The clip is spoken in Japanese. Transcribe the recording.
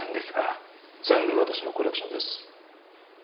全部私のコレクションです。